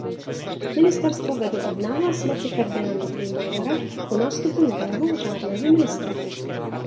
Ministerstvo vedl od náhlé smrti Ferdinanda von Bauera do nástupu nového řádného ministra.